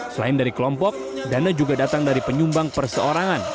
selain dari kelompok dana juga datang dari penyumbang perseorangan